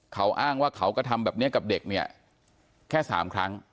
เขาอ้างว่าเขาก็ทำแบบนี้กับเด็กเนี่ยแค่๓ครั้ง